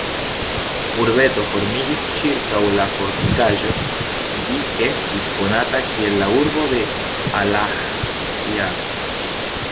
Urbeto formiĝis ĉirkaŭ la fortikaĵo, ĝi estis konata kiel "La urbo de Alahjar".